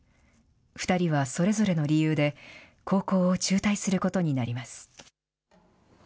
２人はそれぞれの理由で、高校を中退することになります。